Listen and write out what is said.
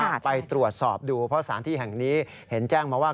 ไปตรวจสอบดูเพราะสถานที่แห่งนี้เห็นแจ้งมาว่า